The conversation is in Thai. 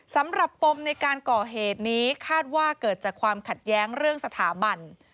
ปมในการก่อเหตุนี้คาดว่าเกิดจากความขัดแย้งเรื่องสถาบัน